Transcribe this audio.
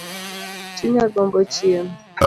Chunya gombo chiemo